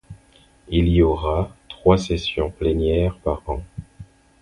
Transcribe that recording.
Il y aura trois sessions plénières par an.